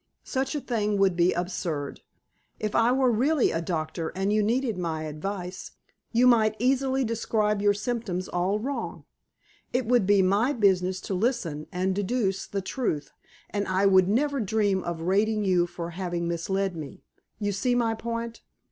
Such a thing would be absurd. If I were really a doctor, and you needed my advice, you might easily describe your symptoms all wrong. It would be my business to listen, and deduce the truth, and I would never dream of rating you for having misled me. You see my point?"